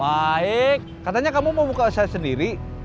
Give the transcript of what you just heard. baik katanya kamu mau buka saya sendiri